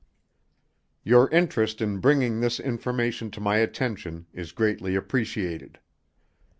Your interest in bringing this information to my attention is greatly appreciated.